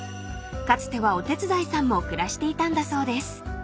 ［かつてはお手伝いさんも暮らしていたんだそうです］